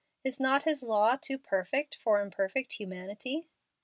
Is not His law too perfect for imperfect humanity?"